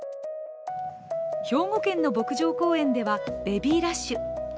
兵庫県の牧場公園ではベビーラッシュ。